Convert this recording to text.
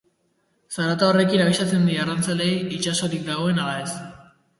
Zarata horrekin abisatzen die arrantzaleei itsasarorik dagoen ala ez.